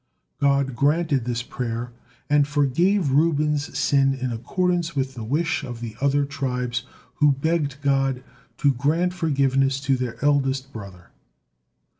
God granted this prayer and forgave Reuben's sin in accordance with the wish of the other tribes, who begged God to grant forgiveness to their eldest brother.